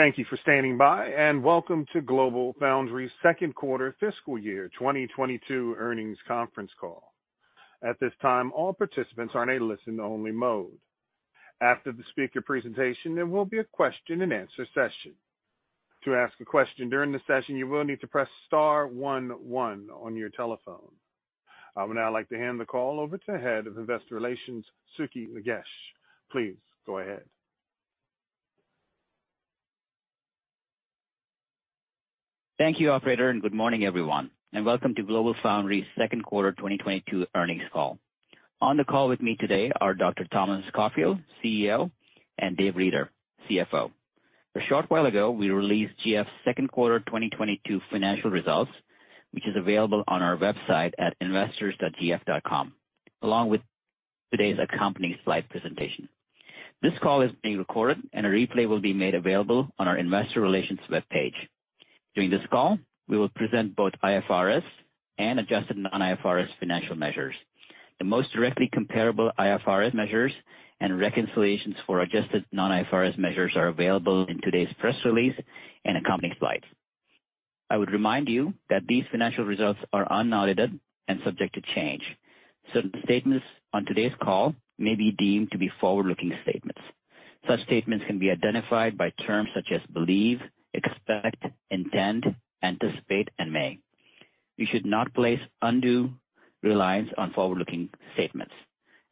Thank you for standing by, and welcome to GlobalFoundries Q2 fiscal year 2022 earnings conference call. At this time, all participants are in a listen only mode. After the speaker presentation, there will be a question-and-answer session. To ask a question during the session, you will need to press Star one one on your telephone. I would now like to hand the call over to Head of Investor Relations, Sukhi Nagesh. Please go ahead. Thank you, operator, and good morning, everyone, and welcome to GlobalFoundries Q2 2022 earnings call. On the call with me today are Dr. Thomas Caulfield, CEO, and Dave Reeder, CFO. A short while ago, we released GF's Q2 2022 financial results, which is available on our website at investors.gf.com, along with today's accompanying slide presentation. This call is being recorded and a replay will be made available on our investor relations webpage. During this call, we will present both IFRS and adjusted non-IFRS financial measures. The most directly comparable IFRS measures and reconciliations for adjusted non-IFRS measures are available in today's press release and accompanying slides. I would remind you that these financial results are unaudited and subject to change. Certain statements on today's call may be deemed to be forward-looking statements. Such statements can be identified by terms such as believe, expect, intend, anticipate, and may. You should not place undue reliance on forward-looking statements.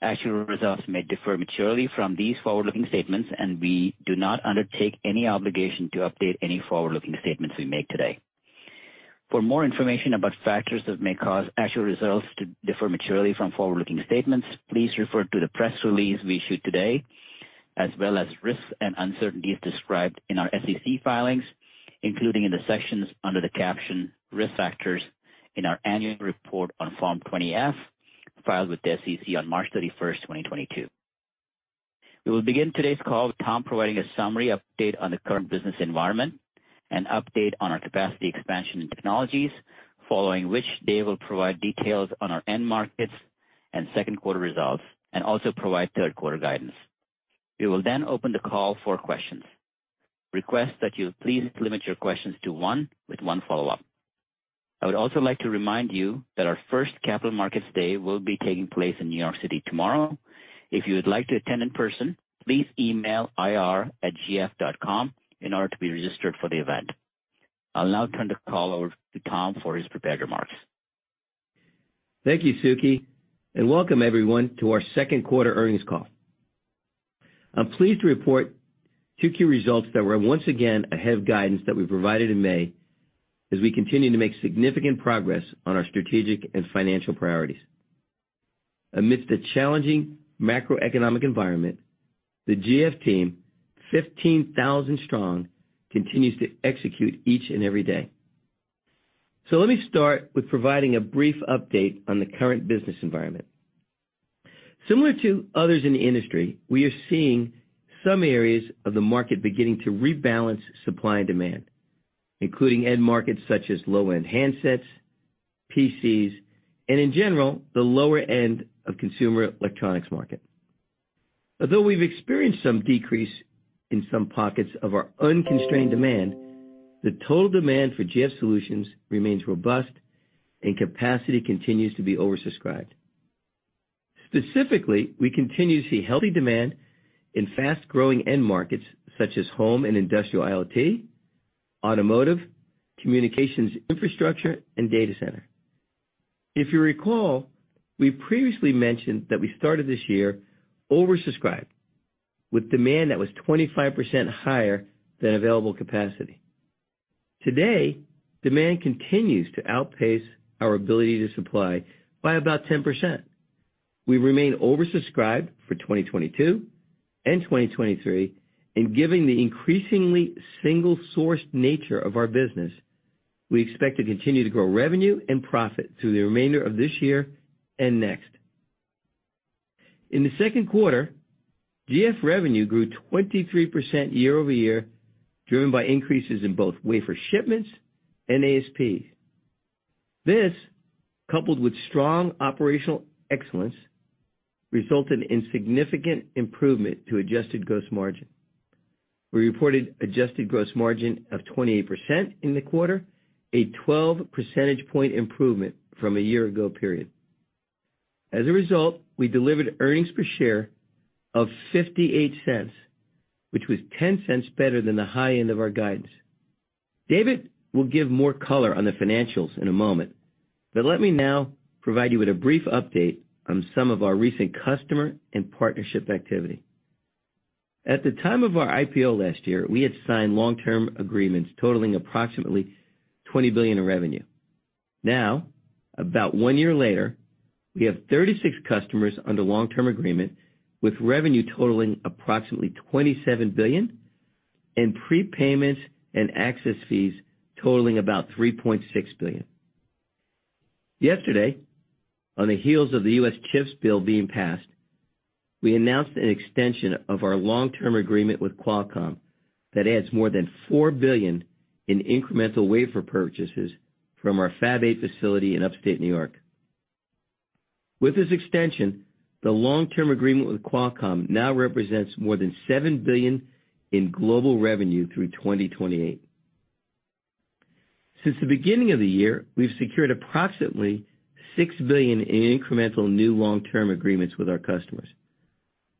Actual results may differ materially from these forward-looking statements, and we do not undertake any obligation to update any forward-looking statements we make today. For more information about factors that may cause actual results to differ materially from forward-looking statements, please refer to the press release we issued today, as well as risks and uncertainties described in our SEC filings, including in the sections under the caption Risk Factors in our annual report on Form 20-F, filed with the SEC on March 31, 2022. We will begin today's call with Tom providing a summary update on the current business environment and update on our capacity expansion and technologies, following which Dave will provide details on our end markets and Q2 results, and also provide Q3 guidance. We will then open the call for questions. Request that you please limit your questions to one with one follow-up. I would also like to remind you that our first Capital Markets Day will be taking place in New York City tomorrow. If you would like to attend in person, please email ir@gf.com in order to be registered for the event. I'll now turn the call over to Tom for his prepared remarks. Thank you, Sukhi, and welcome everyone to our Q2 earnings call. I'm pleased to report Q2 results that were once again ahead of guidance that we provided in May as we continue to make significant progress on our strategic and financial priorities. Amidst the challenging macroeconomic environment, the GF team, 15,000 strong, continues to execute each and every day. Let me start with providing a brief update on the current business environment. Similar to others in the industry, we are seeing some areas of the market beginning to rebalance supply and demand, including end markets such as low-end handsets, PCs, and in general, the lower end of consumer electronics market. Although we've experienced some decrease in some pockets of our unconstrained demand, the total demand for GF solutions remains robust and capacity continues to be oversubscribed. Specifically, we continue to see healthy demand in fast-growing end markets such as home and industrial IoT, automotive, communications infrastructure, and data center. If you recall, we previously mentioned that we started this year oversubscribed, with demand that was 25% higher than available capacity. Today, demand continues to outpace our ability to supply by about 10%. We remain oversubscribed for 2022 and 2023, and given the increasingly single-sourced nature of our business, we expect to continue to grow revenue and profit through the remainder of this year and next. In the Q2, GF revenue grew 23% year-over-year, driven by increases in both wafer shipments and ASPs. This, coupled with strong operational excellence, resulted in significant improvement to adjusted gross margin. We reported adjusted gross margin of 28% in the quarter, a 12-percentage point improvement from a year-ago period. As a result, we delivered earnings per share of $0.58, which was $0.10 better than the high end of our guidance. Dave will give more color on the financials in a moment, but let me now provide you with a brief update on some of our recent customer and partnership activity. At the time of our IPO last year, we had signed long-term agreements totaling approximately $20 billion in revenue. Now, about one year later, we have 36 customers under long-term agreement, with revenue totaling approximately $27 billion and prepayments and access fees totaling about $3.6 billion. Yesterday, on the heels of the CHIPS Act being passed, we announced an extension of our long-term agreement with Qualcomm that adds more than $4 billion in incremental wafer purchases from our Fab 8 facility in Upstate New York. With this extension, the long-term agreement with Qualcomm now represents more than $7 billion in global revenue through 2028. Since the beginning of the year, we've secured approximately $6 billion in incremental new long-term agreements with our customers.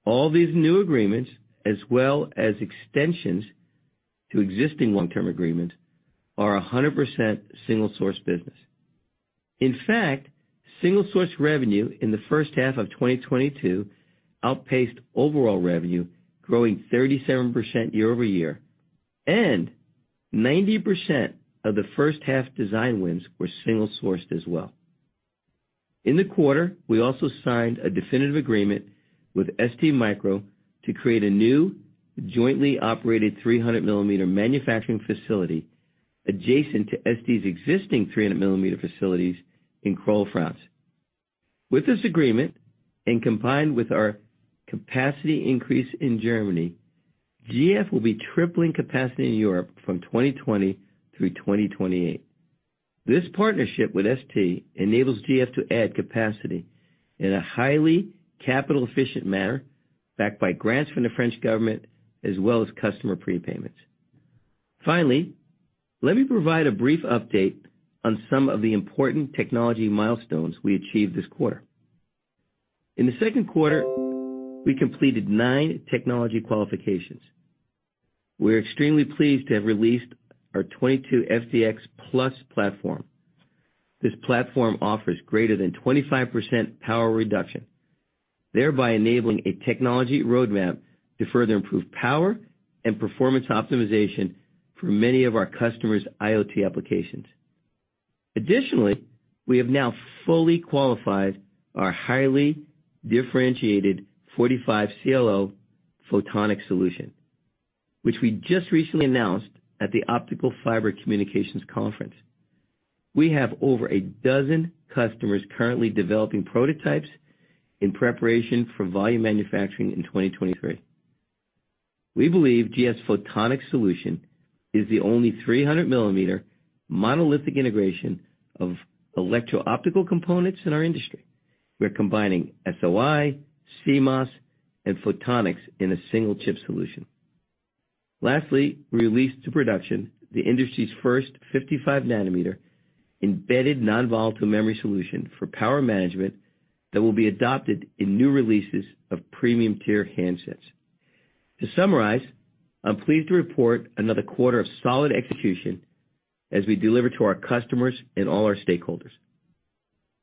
All these new agreements, as well as extensions to existing long-term agreements, are 100% single source business. In fact, single source revenue in the H1 of 2022 outpaced overall revenue, growing 37% year-over-year, and 90% of the H1 design wins were single sourced as well. In the quarter, we also signed a definitive agreement with STMicroelectronics to create a new jointly operated 300 ml manufacturing facility adjacent to STMicroelectronics' existing 300 ml facilities in Crolles, France. With this agreement, and combined with our capacity increase in Germany, GF will be tripling capacity in Europe from 2020 through 2028. This partnership with ST enables GF to add capacity in a highly capital efficient manner, backed by grants from the French government as well as customer prepayments. Finally, let me provide a brief update on some of the important technology milestones we achieved this quarter. In the Q2, we completed nine technology qualifications. We're extremely pleased to have released our 22FDX+ platform. This platform offers greater than 25% power reduction, thereby enabling a technology roadmap to further improve power and performance optimization for many of our customers' IoT applications. Additionally, we have now fully qualified our highly differentiated 45CLO photonic solution, which we just recently announced at the Optical Fiber Communication Conference. We have over a dozen customers currently developing prototypes in preparation for volume manufacturing in 2023. We believe GF's photonic solution is the only 300-mm monolithic integration of electro optical components in our industry. We're combining SOI, CMOS, and photonics in a single chip solution. Lastly, we released to production the industry's first 55-nm embedded non-volatile memory solution for power management that will be adopted in new releases of premium tier handsets. To summarize, I'm pleased to report another quarter of solid execution as we deliver to our customers and all our stakeholders.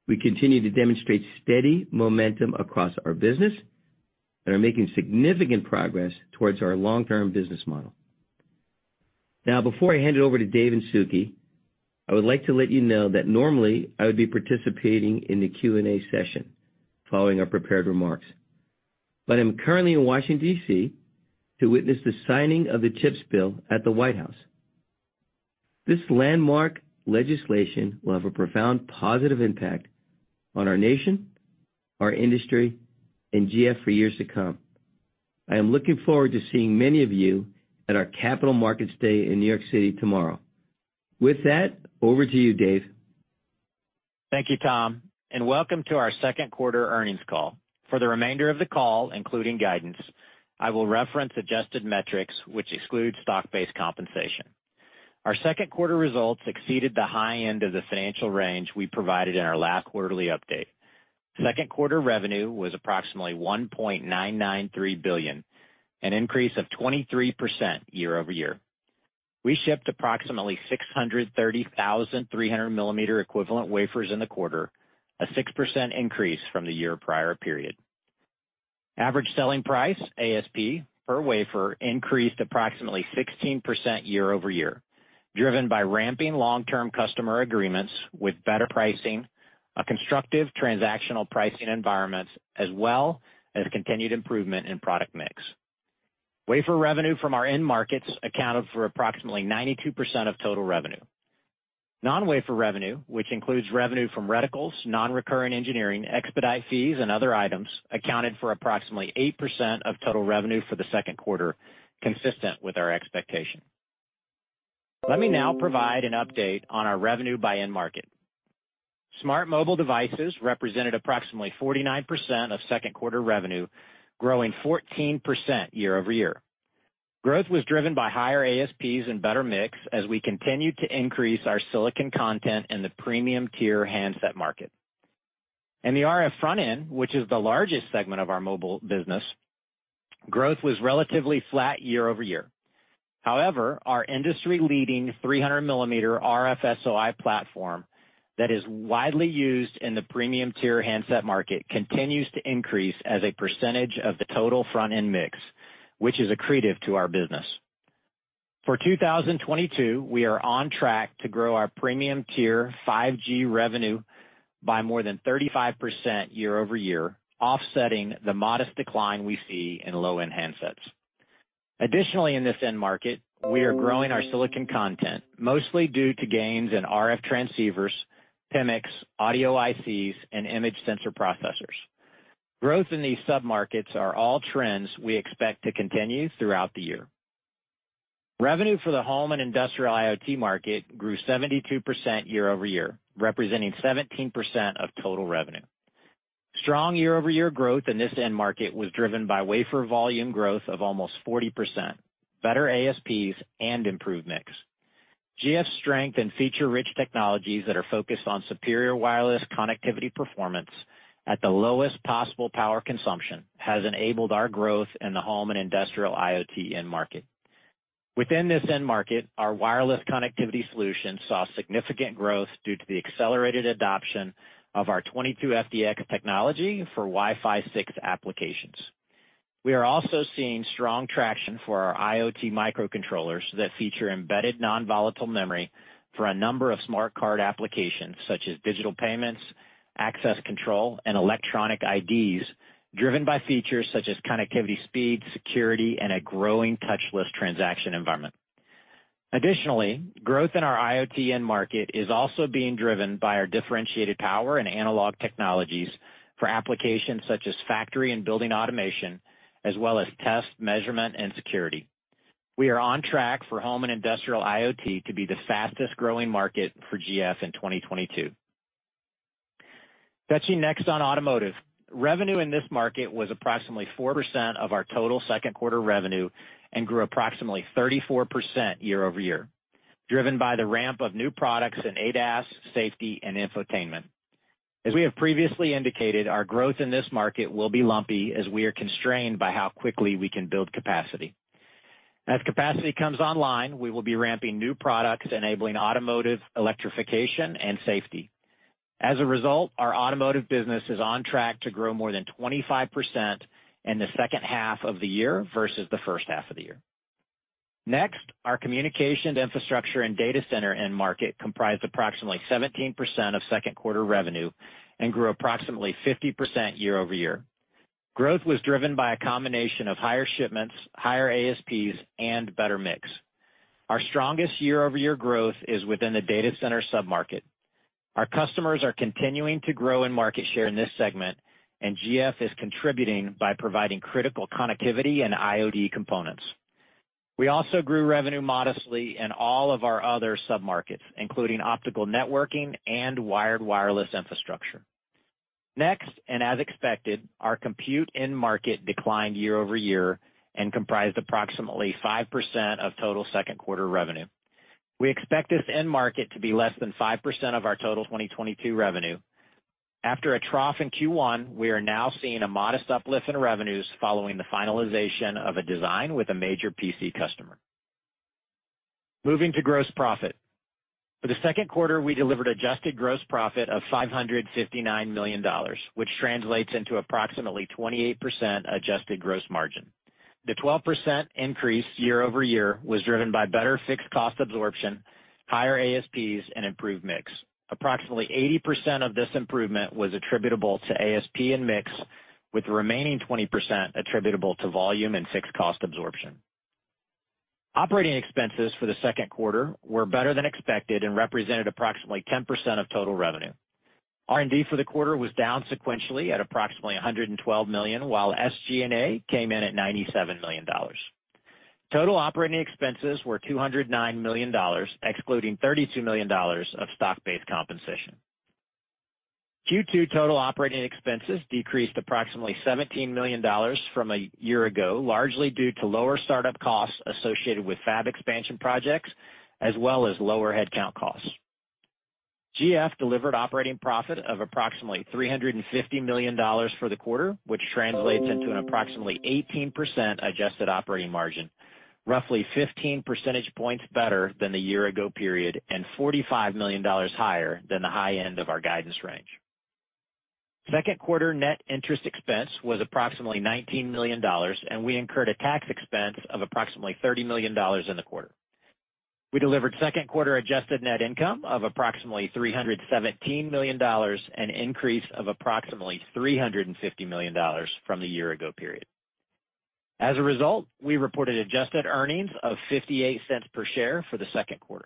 We continue to demonstrate steady momentum across our business and are making significant progress towards our long-term business model. Now, before I hand it over to Dave and Sukhi, I would like to let you know that normally I would be participating in the Q&A session following our prepared remarks. I'm currently in Washington, D.C. to witness the signing of the CHIPS Act at the White House. This landmark legislation will have a profound positive impact on our nation, our industry, and GF for years to come. I am looking forward to seeing many of you at our Capital Markets Day in New York City tomorrow. With that, over to you, Dave. Thank you, Tom, and welcome to our Q2 earnings call. For the remainder of the call, including guidance, I will reference adjusted metrics, which exclude stock-based compensation. Our Q2 results exceeded the high end of the financial range we provided in our last quarterly update. Q2 revenue was approximately $1.993 billion, an increase of 23% year-over-year. We shipped approximately 630,300 mm equivalent wafers in the quarter, a 6% increase from the year-prior period. Average selling price, ASP, per wafer increased approximately 16% year-over-year, driven by ramping long-term customer agreements with better pricing, a constructive transactional pricing environment, as well as continued improvement in product mix. Wafer revenue from our end markets accounted for approximately 92% of total revenue. Non-wafer revenue, which includes revenue from reticles, non-recurrent engineering, expedite fees, and other items, accounted for approximately 8% of total revenue for the Q2, consistent with our expectation. Let me now provide an update on our revenue by end market. Smart mobile devices represented approximately 49% of Q2 revenue, growing 14% year-over-year. Growth was driven by higher ASPs and better mix as we continued to increase our silicon content in the premium tier handset market. In the RF front end, which is the largest segment of our mobile business, growth was relatively flat year-over-year. However, our industry-leading 300 ml RF SOI platform that is widely used in the premium tier handset market continues to increase as a percentage of the total front-end mix, which is accretive to our business. For 2022, we are on track to grow our premium tier 5G revenue by more than 35% year-over-year, offsetting the modest decline we see in low-end handsets. Additionally, in this end market, we are growing our silicon content, mostly due to gains in RF transceivers, PMICs, audio ICs, and image sensor processors. Growth in these submarkets are all trends we expect to continue throughout the year. Revenue for the home and industrial IoT market grew 72% year-over-year, representing 17% of total revenue. Strong year-over-year growth in this end market was driven by wafer volume growth of almost 40%, better ASPs and improved mix. GF's strength and feature-rich technologies that are focused on superior wireless connectivity performance at the lowest possible power consumption has enabled our growth in the home and industrial IoT end market. Within this end market, our wireless connectivity solution saw significant growth due to the accelerated adoption of our 22FDX technology for Wi-Fi 6 applications. We are also seeing strong traction for our IoT microcontrollers that feature embedded non-volatile memory for a number of smart card applications such as digital payments, access control, and electronic IDs driven by features such as connectivity, speed, security, and a growing touchless transaction environment. Additionally, growth in our IoT end market is also being driven by our differentiated power and analog technologies for applications such as factory and building automation, as well as test measurement and security. We are on track for home and industrial IoT to be the fastest-growing market for GF in 2022. Touching next on automotive. Revenue in this market was approximately 4% of our total Q2 revenue and grew approximately 34% year-over-year, driven by the ramp of new products in ADAS, safety and infotainment. As we have previously indicated, our growth in this market will be lumpy as we are constrained by how quickly we can build capacity. As capacity comes online, we will be ramping new products, enabling automotive electrification and safety. As a result, our automotive business is on track to grow more than 25% in the H2 of the year versus the H1 of the year. Next, our communication infrastructure and data center end market comprised approximately 17% of Q2 revenue and grew approximately 50% year-over-year. Growth was driven by a combination of higher shipments, higher ASPs, and better mix. Our strongest year-over-year growth is within the data center sub-market. Our customers are continuing to grow in market share in this segment, and GF is contributing by providing critical connectivity and IoT components. We also grew revenue modestly in all of our other sub-markets, including optical networking and wired and wireless infrastructure. Next, and as expected, our compute end market declined year-over-year and comprised approximately 5% of total Q2 revenue. We expect this end market to be less than 5% of our total 2022 revenue. After a trough in Q1, we are now seeing a modest uplift in revenues following the finalization of a design with a major PC customer. Moving to gross profit. For the Q2, we delivered Adjusted Gross Profit of $559 million, which translates into approximately 28% adjusted gross margin. The 12% increase year-over-year was driven by better fixed cost absorption, higher ASPs and improved mix. Approximately 80% of this improvement was attributable to ASP and mix, with the remaining 20% attributable to volume and fixed cost absorption. Operating expenses for the Q2 were better than expected and represented approximately 10% of total revenue. R&D for the quarter was down sequentially at approximately $112 million, while SG&A came in at $97 million. Total operating expenses were $209 million, excluding $32 million of stock-based compensation. Q2 total operating expenses decreased approximately $17 million from a year ago, largely due to lower start-up costs associated with fab expansion projects as well as lower headcount costs. GF delivered operating profit of approximately $350 million for the quarter, which translates into an approximately 18% adjusted operating margin, roughly 15 percentage points better than the year ago period, and $45 million higher than the high end of our guidance range. Q2 net interest expense was approximately $19 million, and we incurred a tax expense of approximately $30 million in the quarter. We delivered Q2 adjusted net income of approximately $317 million, an increase of approximately $350 million from the year ago period. As a result, we reported adjusted earnings of $0.58 per share for the Q2.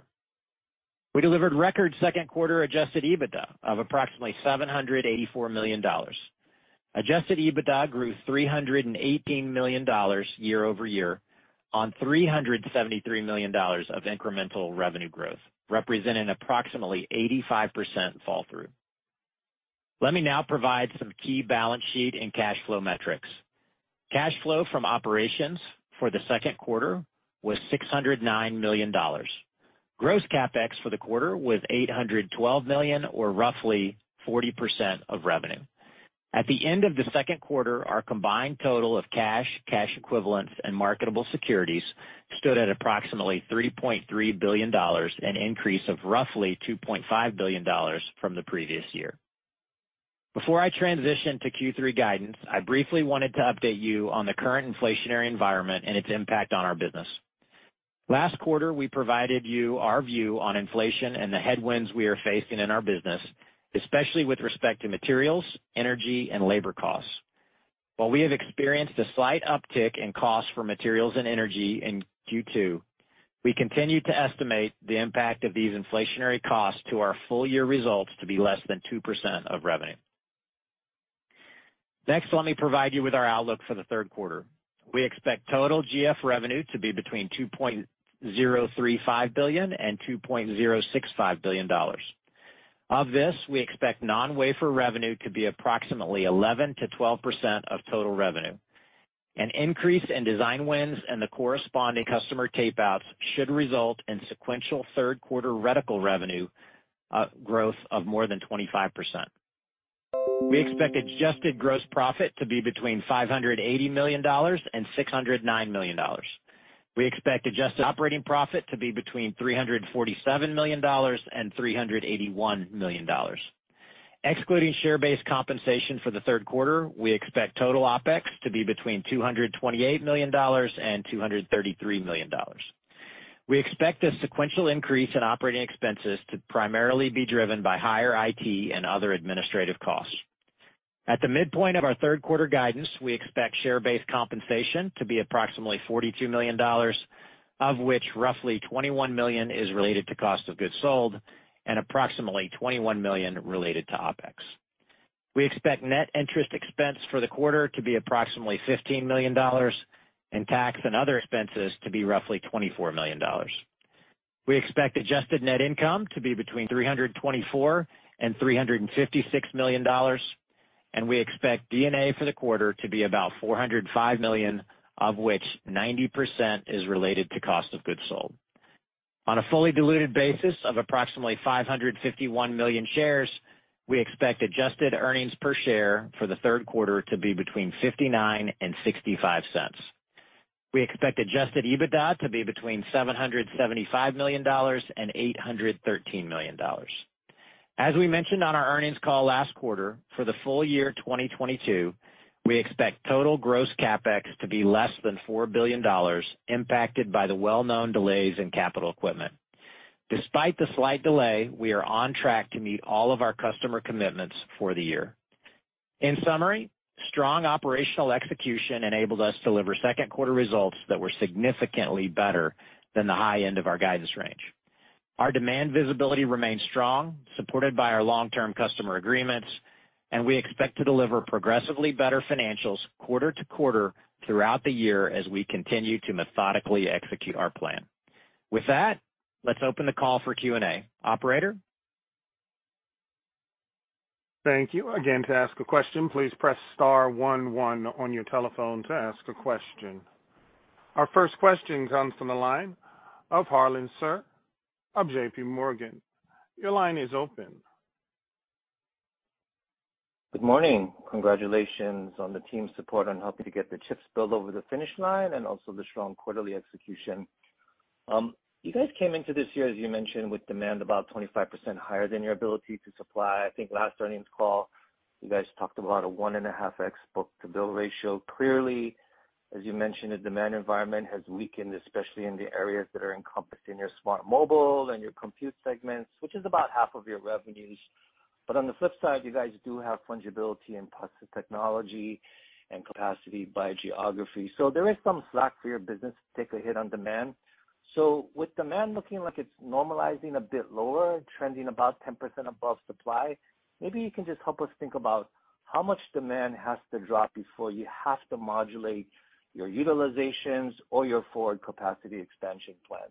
We delivered record Q2 adjusted EBITDA of approximately $784 million. Adjusted EBITDA grew $318 million year-over-year on $373 million of incremental revenue growth, representing approximately 85% flow-through. Let me now provide some key balance sheet and cash flow metrics. Cash flow from operations for the Q2 was $609 million. Gross CapEx for the quarter was $812 million, or roughly 40% of revenue. At the end of the Q2, our combined total of cash equivalents and marketable securities stood at approximately $3.3 billion, an increase of roughly $2.5 billion from the previous year. Before I transition to Q3 guidance, I briefly wanted to update you on the current inflationary environment and its impact on our business. Last quarter, we provided you our view on inflation and the headwinds we are facing in our business, especially with respect to materials, energy and labor costs. While we have experienced a slight uptick in costs for materials and energy in Q2, we continue to estimate the impact of these inflationary costs to our full year results to be less than 2% of revenue. Next, let me provide you with our outlook for the Q3. We expect total GF revenue to be between $2.035 billion and $2.065 billion. Of this, we expect non-wafer revenue to be approximately 11%-12% of total revenue. An increase in design wins and the corresponding customer tape-outs should result in sequential Q3 reticle revenue growth of more than 25%. We expect Adjusted Gross Profit to be between $580 million and $609 million. We expect adjusted operating profit to be between $347 million and $381 million. Excluding share-based compensation for the Q3, we expect total OpEx to be between $228 million and $233 million. We expect a sequential increase in operating expenses to primarily be driven by higher IT and other administrative costs. At the midpoint of our Q3 guidance, we expect share-based compensation to be approximately $42 million, of which roughly $21 million is related to cost of goods sold and approximately $21 million related to OpEx. We expect net interest expense for the quarter to be approximately $15 million and tax and other expenses to be roughly $24 million. We expect adjusted net income to be between $324 million and $356 million, and we expect D&A for the quarter to be about $405 million, of which 90% is related to cost of goods sold. On a fully diluted basis of approximately 551 million shares, we expect adjusted earnings per share for the Q3 to be between $0.59 and $0.65. We expect adjusted EBITDA to be between $775 million and $813 million. As we mentioned on our earnings call last quarter, for the full year 2022, we expect total gross CapEx to be less than $4 billion, impacted by the well-known delays in capital equipment. Despite the slight delay, we are on track to meet all of our customer commitments for the year. In summary, strong operational execution enabled us to deliver Q2 results that were significantly better than the high end of our guidance range. Our demand visibility remains strong, supported by our long-term customer agreements, and we expect to deliver progressively better financials quarter to quarter throughout the year as we continue to methodically execute our plan. With that, let's open the call for Q&A. Operator? Thank you. Again, to ask a question, please press Star one one on your telephone to ask a question. Our first question comes from the line of Harlan Sur of JPMorgan. Your line is open. Good morning. Congratulations on the team's support on helping to get the chips bill over the finish line and also the strong quarterly execution. You guys came into this year, as you mentioned, with demand about 25% higher than your ability to supply. I think last earnings call, you guys talked about a 1.5x book-to-bill ratio. Clearly, as you mentioned, the demand environment has weakened, especially in the areas that are encompassed in your smart mobile and your compute segments, which is about half of your revenues. On the flip side, you guys do have fungibility in parts of technology and capacity by geography. There is some slack for your business to take a hit on demand. With demand looking like it's normalizing a bit lower, trending about 10% above supply, maybe you can just help us think about how much demand has to drop before you have to modulate your utilizations or your forward capacity expansion plans?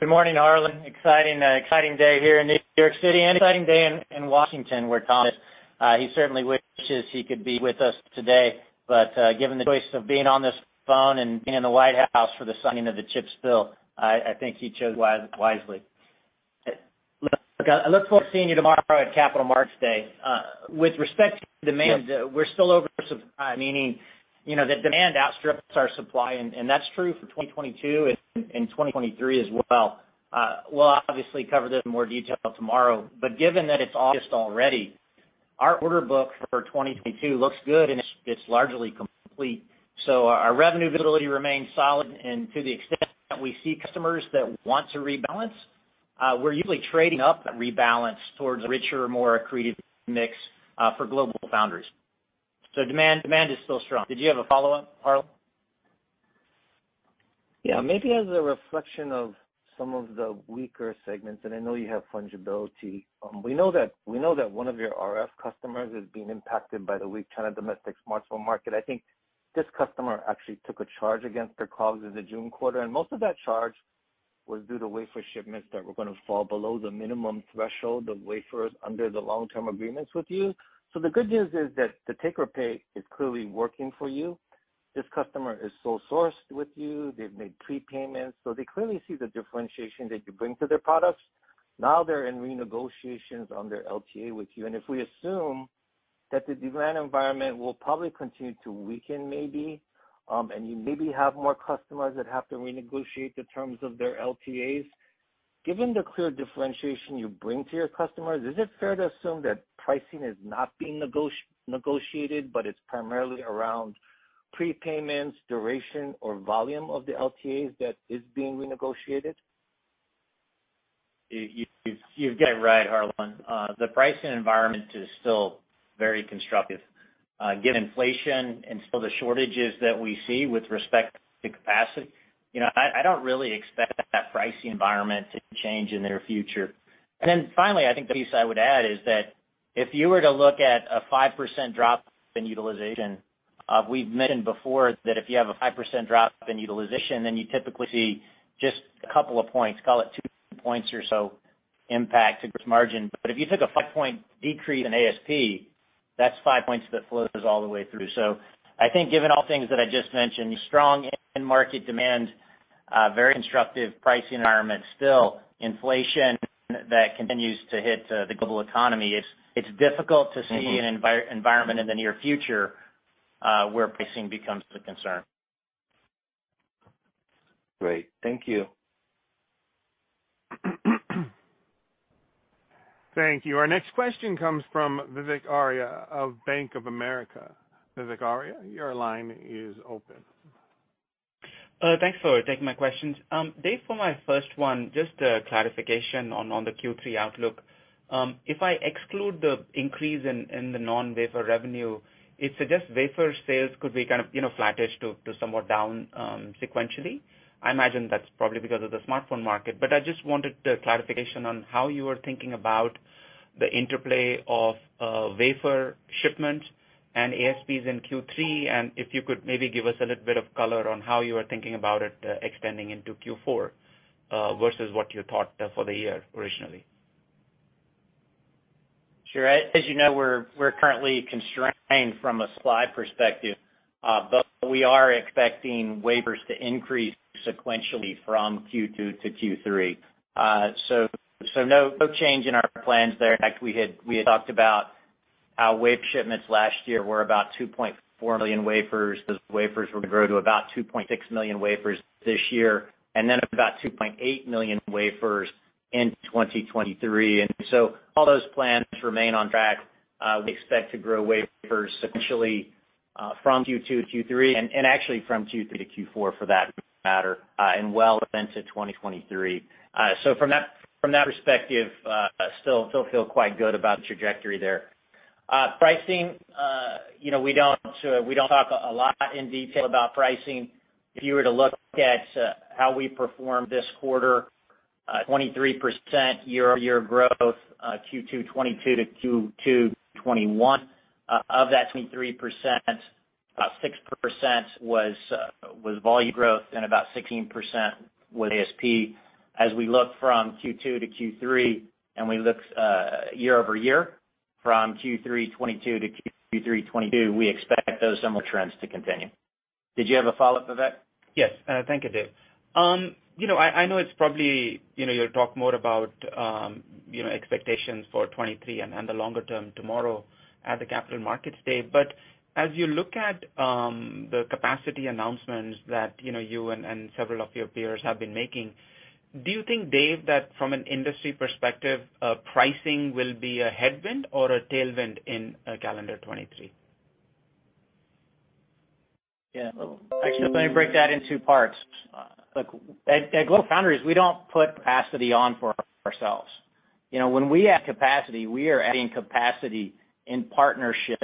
Good morning, Harlan. Exciting day here in New York City and exciting day in Washington, where Tom is. He certainly wishes he could be with us today. Given the choice of being on this phone and being in the White House for the signing of the CHIPS Act, I think he chose wisely. Look, I look forward to seeing you tomorrow at Capital Markets Day. With respect to demand, we're still oversupplied, meaning, you know, the demand outstrips our supply, and that's true for 2022 and 2023 as well. We'll obviously cover this in more detail tomorrow. Given that it's August already, our order book for 2022 looks good and it's largely complete. So our revenue visibility remains solid. To the extent that we see customers that want to rebalance, we're usually trading up that rebalance towards a richer, more accretive mix, for GlobalFoundries. Demand is still strong. Did you have a follow-up, Harlan? Yeah, maybe as a reflection of some of the weaker segments, and I know you have fungibility. We know that one of your RF customers is being impacted by the weak China domestic smartphone market. I think this customer actually took a charge against their COGS in the June quarter, and most of that charge was due to wafer shipments that were gonna fall below the minimum threshold of wafers under the long-term agreements with you. The good news is that the take or pay is clearly working for you. This customer is sole sourced with you. They've made prepayments, so they clearly see the differentiation that you bring to their products. Now they're in renegotiations on their LTA with you. If we assume that the demand environment will probably continue to weaken maybe, and you maybe have more customers that have to renegotiate the terms of their LTAs, given the clear differentiation you bring to your customers, is it fair to assume that pricing is not being negotiated, but it's primarily around prepayments, duration, or volume of the LTAs that is being renegotiated? You've got it right, Harlan. The pricing environment is still very constructive, given inflation and still the shortages that we see with respect to capacity, you know. I don't really expect that pricing environment to change in the near future. Finally, I think the piece I would add is that if you were to look at a 5% drop in utilization, we've mentioned before that if you have a 5% drop in utilization, then you typically see just a couple of points, call it two points or so impact to gross margin. If you took a five-point decrease in ASP, that's five points that flows all the way through. I think given all things that I just mentioned, strong end market demand, very constructive pricing environment still, inflation that continues to hit, the global economy, it's difficult to see an environment in the near future, where pricing becomes the concern. Great. Thank you. Thank you. Our next question comes from Vivek Arya of Bank of America. Vivek Arya, your line is open. Thanks for taking my questions. Dave, for my first one, just a clarification on the Q3 outlook. If I exclude the increase in the non-wafer revenue, it suggests wafer sales could be kind of, you know, flattish to somewhat down sequentially. I imagine that's probably because of the smartphone market. I just wanted clarification on how you are thinking about the interplay of wafer shipments and ASPs in Q3, and if you could maybe give us a little bit of color on how you are thinking about it extending into Q4 versus what you thought for the year originally. Sure. As you know, we're currently constrained from a supply perspective, but we are expecting wafers to increase sequentially from Q2 to Q3. So no change in our plans there. In fact, we had talked about how wafer shipments last year were about 2.4 million wafers. Those wafers were to grow to about 2.6 million wafers this year, and then about 2.8 million wafers in 2023. All those plans remain on track. We expect to grow wafers sequentially from Q2 to Q3, and actually from Q3 to Q4 for that matter, and well into 2023. So from that perspective, still feel quite good about the trajectory there. Pricing, you know, we don't talk a lot in detail about pricing. If you were to look at how we performed this quarter, 23% year-over-year growth, Q2 2022 to Q2 2021. Of that 23%, about 6% was volume growth and about 16% was ASP. As we look from Q2 to Q3, and we look year-over-year from Q3 2022 to Q3 2022, we expect those similar trends to continue. Did you have a follow-up, Vivek? Yes. Thank you, Dave. You know, I know it's probably, you know, you'll talk more about, you know, expectations for 2023 and the longer term tomorrow at the Capital Markets Day. As you look at the capacity announcements that, you know, you and several of your peers have been making, do you think, Dave, that from an industry perspective, pricing will be a headwind or a tailwind in calendar 2023? Yeah. Actually, let me break that in two parts. Look, at GlobalFoundries, we don't put capacity on for ourselves. You know, when we add capacity, we are adding capacity in partnership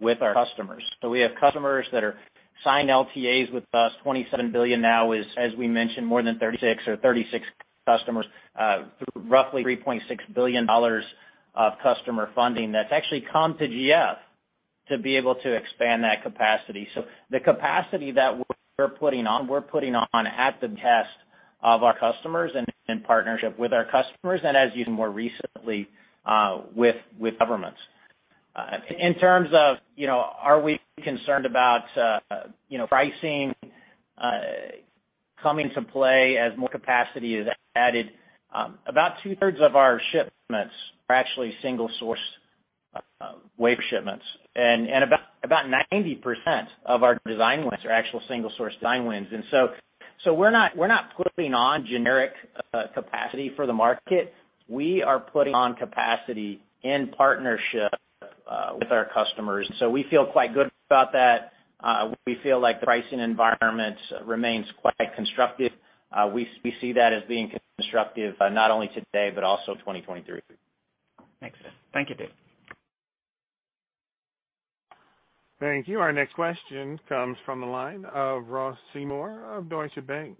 with our customers. We have customers that are signed LTAs with us. $27 billion now is, as we mentioned, more than 36 customers, through roughly $3.6 billion of customer funding that's actually come to GF to be able to expand that capacity. The capacity that we're putting on, we're putting on at the behest of our customers and in partnership with our customers, and as you know more recently, with governments. In terms of, you know, are we concerned about, you know, pricing coming into play as more capacity is added, about 2/3 of our shipments are actually single-sourced wafer shipments. About 90% of our design wins are actual single-source design wins. We're not putting on generic capacity for the market. We are putting on capacity in partnership with our customers. We feel quite good about that. We feel like the pricing environment remains quite constructive. We see that as being constructive, not only today, but also 2023. Makes sense. Thank you, Dave. Thank you. Our next question comes from the line of Ross Seymore of Deutsche Bank.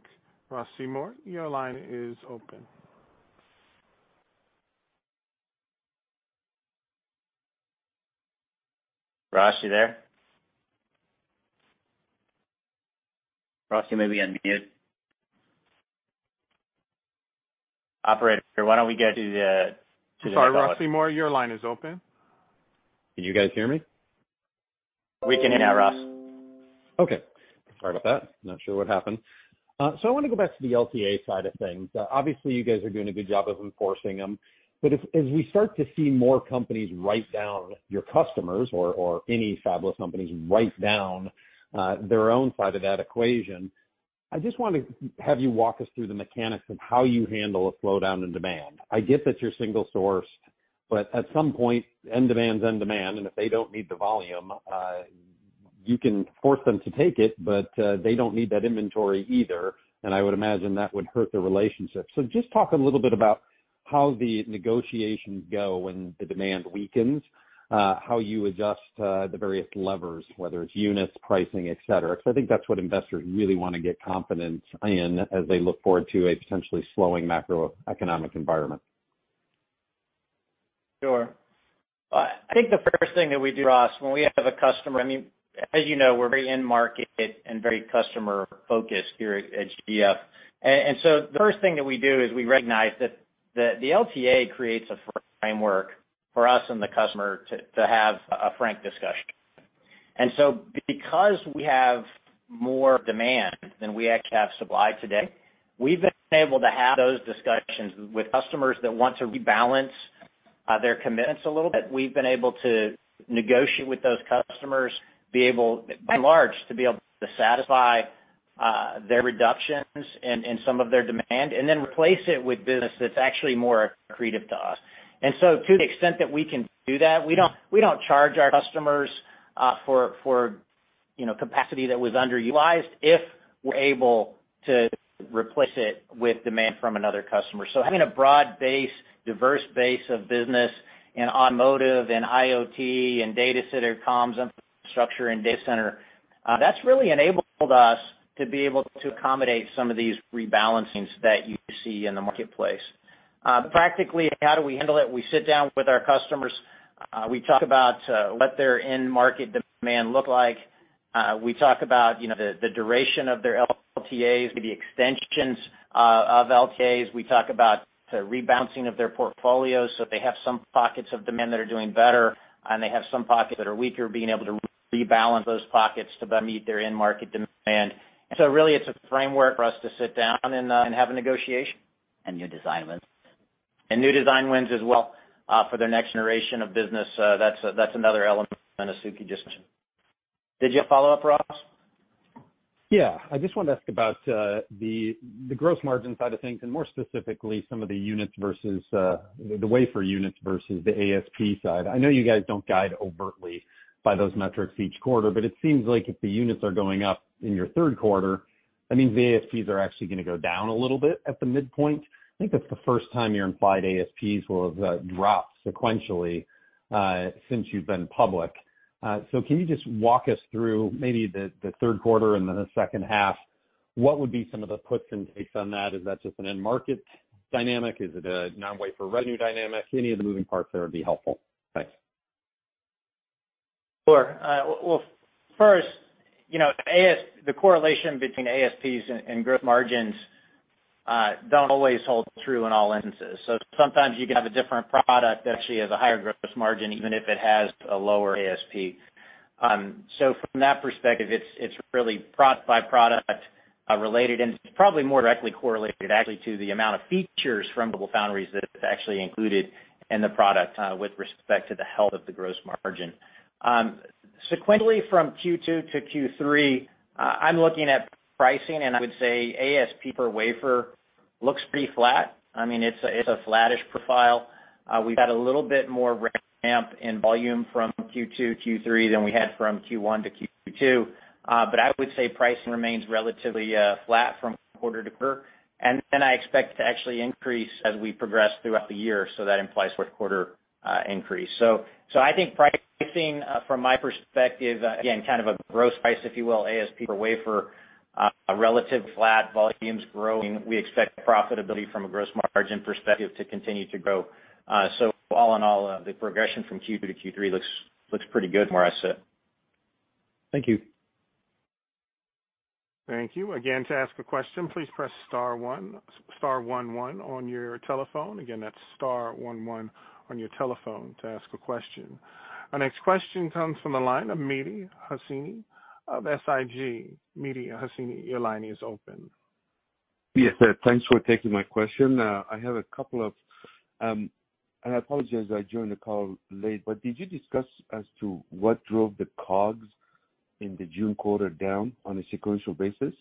Ross Seymore, your line is open. Ross, you there? Ross, you may be on mute. Operator, why don't we go to the next. Sorry, Ross Seymore, your line is open. Can you guys hear me? We can hear now, Ross. Okay. Sorry about that. Not sure what happened. I wanna go back to the LTA side of things. Obviously, you guys are doing a good job of enforcing them. As we start to see more companies write down your customers or any fabless companies write down their own side of that equation, I just wanted have you walk us through the mechanics of how you handle a slowdown in demand. I get that you're single sourced, but at some point end demand's end demand, and if they don't need the volume, you can force them to take it, but they don't need that inventory either, and I would imagine that would hurt the relationship. Just talk a little bit about how the negotiations go when the demand weakens, how you adjust the various levers, whether it's units, pricing, et cetera. Because I think that's what investors really wanna get confidence in as they look forward to a potentially slowing macroeconomic environment. Sure. I think the first thing that we do, Ross, when we have a customer, I mean, as you know, we're very in market and very customer-focused here at GF. The first thing that we do is we recognize that the LTA creates a framework for us and the customer to have a frank discussion. Because we have more demand than we actually have supply today, we've been able to have those discussions with customers that want to rebalance their commitments a little bit. We've been able to negotiate with those customers, by and large, to satisfy their reductions and some of their demand, and then replace it with business that's actually more accretive to us. To the extent that we can do that, we don't charge our customers for, you know, capacity that was underutilized if we're able to replace it with demand from another customer. Having a broad base, diverse base of business in automotive and IoT and data center comms, infrastructure, and data center, that's really enabled us to be able to accommodate some of these rebalancings that you see in the marketplace. Practically, how do we handle it? We sit down with our customers. We talk about what their end market demand look like. We talk about, you know, the duration of their LTAs, maybe extensions of LTAs. We talk about the rebalancing of their portfolios, so if they have some pockets of demand that are doing better and they have some pockets that are weaker, being able to rebalance those pockets to better meet their end market demand. Really it's a framework for us to sit down and have a negotiation. New design wins. New design wins as well, for their next generation of business. That's another element, as Sukhi just mentioned. Did you have a follow-up, Ross? Yeah. I just wanted to ask about the gross margin side of things, and more specifically, some of the units versus the wafer units versus the ASP side. I know you guys don't guide overtly by those metrics each quarter, but it seems like if the units are going up in your Q3, that means the ASPs are actually gonna go down a little bit at the midpoint. I think that's the first time your implied ASPs will have dropped sequentially since you've been public. Can you just walk us through maybe the Q3 and then the H2, what would be some of the puts and takes on that? Is that just an end market dynamic? Is it a non-wafer revenue dynamic? Any of the moving parts there would be helpful. Thanks. Sure. Well, first, you know, the correlation between ASPs and gross margins don't always hold true in all instances. Sometimes you can have a different product that actually has a higher gross margin, even if it has a lower ASP. From that perspective, it's really product by product, related and probably more directly correlated actually to the amount of features from GlobalFoundries that are actually included in the product, with respect to the health of the gross margin. Sequentially from Q2 to Q3, I'm looking at pricing, and I would say ASP per wafer looks pretty flat. I mean, it's a flattish profile. We've had a little bit more ramp in volume from Q2 to Q3 than we had from Q1 to Q2. I would say pricing remains relatively flat from quarter-to-quarter. I expect to actually increase as we progress throughout the year, so that implies Q4 increase. I think pricing from my perspective again kind of a gross price, if you will, ASP per wafer relatively flat, volumes growing. We expect profitability from a gross margin perspective to continue to grow. All in all, the progression from Q2 to Q3 looks pretty good from where I sit. Thank you. Thank you. Again, to ask a question, please press Star one, Star one one on your telephone. Again, that's star one one on your telephone to ask a question. Our next question comes from the line of Mehdi Hosseini of SIG. Mehdi Hosseini, your line is open. Yes, sir. Thanks for taking my question. I have a couple of, and I apologize, I joined the call late, but did you discuss as to what drove the COGS in the June quarter down on a sequential basis?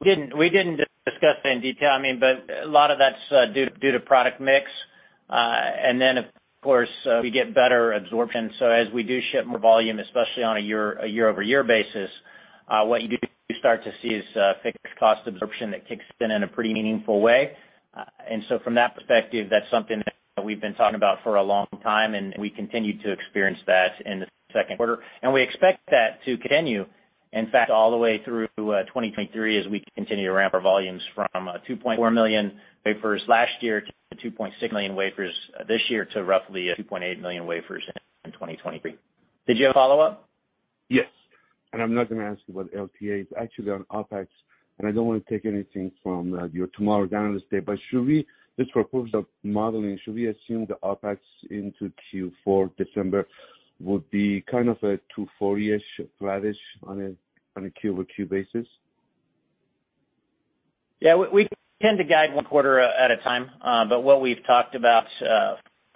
We didn't discuss that in detail. I mean, but a lot of that's due to product mix. Of course, we get better absorption. As we do ship more volume, especially on a year-over-year basis, what you do start to see is fixed cost absorption that kicks in in a pretty meaningful way. From that perspective, that's something that we've been talking about for a long time, and we continue to experience that in the Q2. We expect that to continue, in fact, all the way through 2023 as we continue to ramp our volumes from 2.4 million wafers last year to 2.6 million wafers this year to roughly 2.8 million wafers in 2023. Did you have a follow-up? Yes. I'm not gonna ask you about LTAs, actually on OpEx. I don't wanna take anything from your tomorrow guidance day, but should we, just for purpose of modeling, assume the OpEx into Q4, December, would be kind of a 24-ish flattish on a Q-over-Q basis? Yeah. We tend to guide one quarter at a time. What we've talked about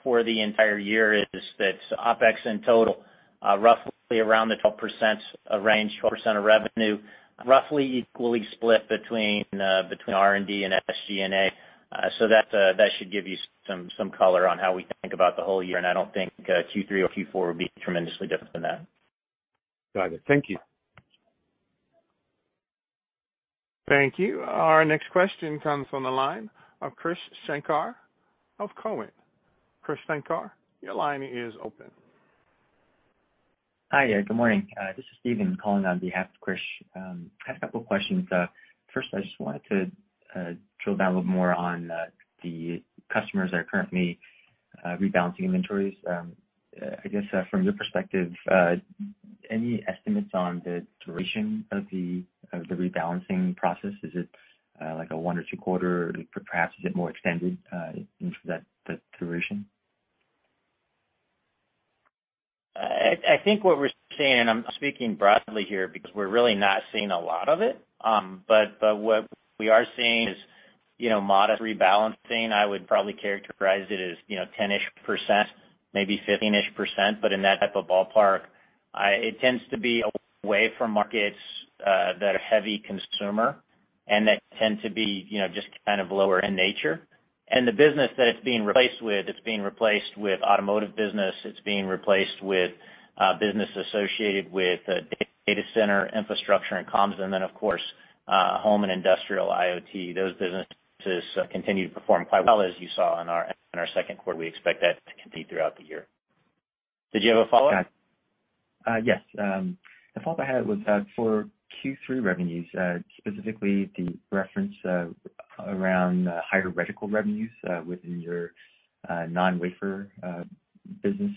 for the entire year is that OpEx in total, roughly around the 12% range, 12% of revenue, roughly equally split between R&D and SG&A. That should give you some color on how we think about the whole year, and I don't think Q3 or Q4 will be tremendously different than that. Got it. Thank you. Thank you. Our next question comes from the line of Krish Sankar of Cowen. Krish Sankar, your line is open. Hi there. Good morning. This is Steven calling on behalf of Krish. Had a couple questions. First, I just wanted to drill down a little more on the customers that are currently rebalancing inventories. I guess from your perspective, any estimates on the duration of the rebalancing process? Is it like a one or two quarter, perhaps, is it more extended in that duration? I think what we're seeing, I'm speaking broadly here because we're really not seeing a lot of it, but what we are seeing is, you know, modest rebalancing. I would probably characterize it as, you know, 10%-ish, maybe 15%-ish, but in that type of ballpark. It tends to be away from markets that are heavy consumer, and that tend to be, you know, just kind of lower in nature. The business that it's being replaced with, it's being replaced with automotive business, it's being replaced with business associated with data center infrastructure and comms, and then of course, home and industrial IoT. Those businesses continue to perform quite well, as you saw in our Q2. We expect that to continue throughout the year. Did you have a follow-up? Yes. The follow-up I had was for Q3 revenues, specifically the reference around higher reticle revenues within your non-wafer business.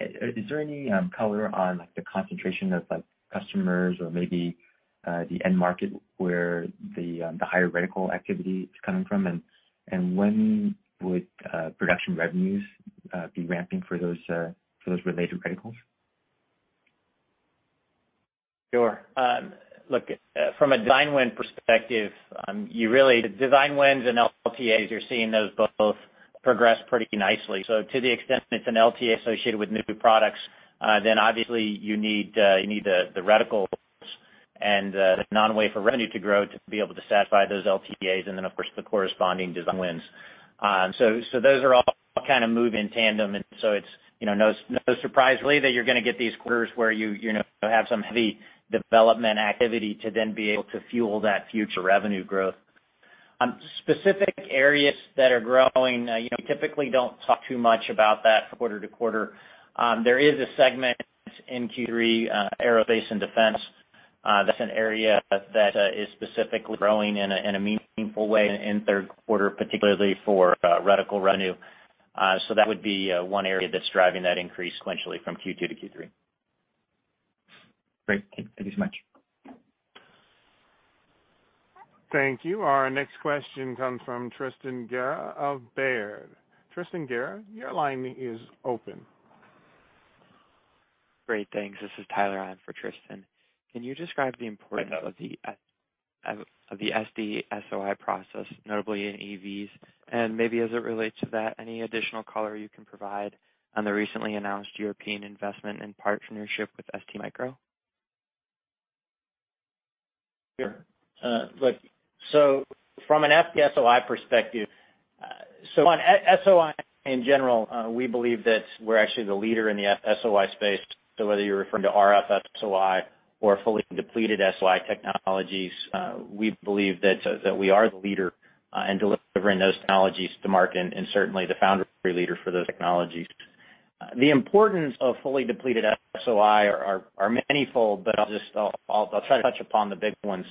Is there any color on the concentration of, like, customers or maybe the end market where the higher reticle activity is coming from? And when would production revenues be ramping for those related reticles? Sure. Look, from a design win perspective, design wins and LTAs, you're seeing those both progress pretty nicely. To the extent it's an LTA associated with new products, then obviously you need the reticles and the non-wafer revenue to grow to be able to satisfy those LTAs, and then of course the corresponding design wins. Those are all kind of moving in tandem, and so it's, you know, no surprise really that you're gonna get these quarters where you know, have some heavy development activity to then be able to fuel that future revenue growth. Specific areas that are growing, you know, we typically don't talk too much about that quarter-to-quarter. There is a segment in Q3, aerospace and defense, that's an area that is specifically growing in a meaningful way in Q3, particularly for reticle revenue. That would be one area that's driving that increase sequentially from Q2 to Q3. Great. Thank you so much. Thank you. Our next question comes from Tristan Gerra of Baird. Tristan Gerra, your line is open. Great. Thanks. This is Tyler on for Tristan. Can you describe the importance of the FD-SOI process, notably in EVs? Maybe as it relates to that, any additional color you can provide on the recently announced European investment in partnership with STMicroelectronics? Sure. Look, so from an FD-SOI perspective, so on SOI in general, we believe that we're actually the leader in the SOI space. So whether you're referring to RF-SOI or fully depleted SOI technologies, we believe that we are the leader in delivering those technologies to market and certainly the foundry-free leader for those technologies. The importance of fully depleted SOI are manifold, but I'll just try to touch upon the big ones.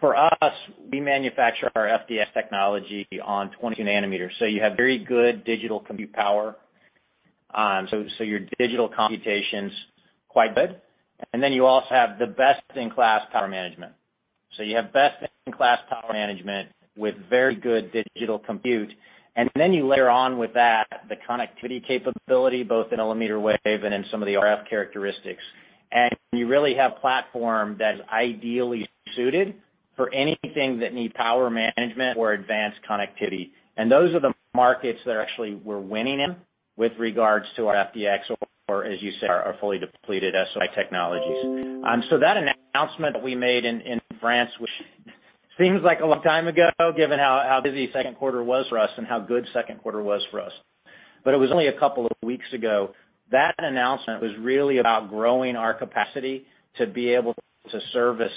For us, we manufacture our FDS technology on 20 nm, so you have very good digital compute power. So your digital computation's quite good. You also have the best in class power management. You have best in class power management with very good digital compute, and then you layer on with that the connectivity capability, both in millimeter wave and in some of the RF characteristics. You really have a platform that is ideally suited for anything that needs power management or advanced connectivity. Those are the markets that actually we're winning in with regards to our FDX or as you say, our fully depleted SOI technologies. That announcement that we made in France, which seems like a long time ago, given how busy Q2 was for us and how good Q2 was for us, but it was only a couple of weeks ago. That announcement was really about growing our capacity to be able to service